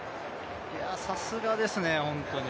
さすがですね、本当に。